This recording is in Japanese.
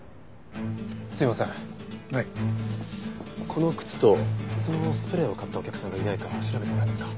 この靴とそのスプレーを買ったお客さんがいないか調べてもらえますか？